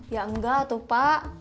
ya enggak tuh pak